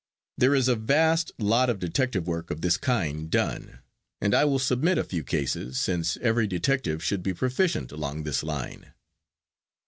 There is a vast lot of detective work of this kind done, and I will submit a few cases, since every detective should be proficient along this line.